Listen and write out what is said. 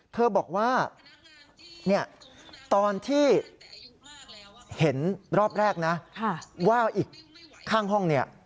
เธอบอกว่าตอนที่เห็นรอบแรกนะว่าอีกข้างห้องนี้